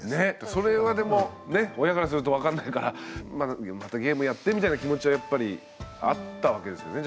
それはでもね親からすると分かんないからまたゲームやってみたいな気持ちはやっぱりあったわけですよね